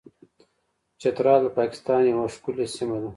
چترال د پاکستان یوه ښکلې سیمه ده.